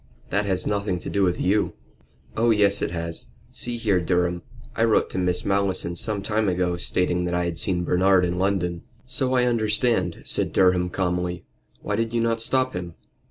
"That has nothing to do with you." "Oh yes, it has. See here, Durham, I wrote to Miss Malleson some time ago, stating that I had seen Bernard in London." "So I understand," said Durham, calmly. "Why did you not stop him?"